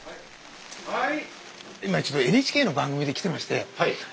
・はい。